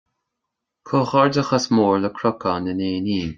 Comhgháirdeachas mór le Cnocán an Éin Fhinn